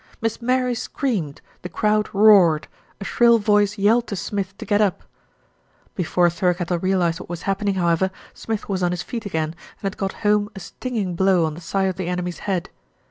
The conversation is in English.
Miss Mary screamed, the crowd roared, a shrill voice yelled to Smith to get up. Before Thirkettle realised what was happening, how ever, Smith was on his feet again and had got home a stinging blow on the side of the enemy's head.